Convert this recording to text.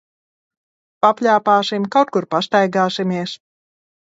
Papļāpāsim, kaut kur pastaigāsimies.